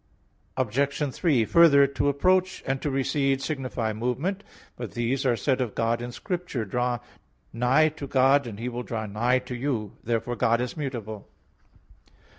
Obj. 3: Further, to approach and to recede signify movement. But these are said of God in Scripture, "Draw nigh to God and He will draw nigh to you" (James 4:8). Therefore God is mutable.